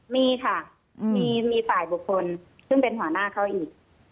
มีค่ะมีฝ่ายบุคคลซึ่งเป็นหัวหน้าเขาอีก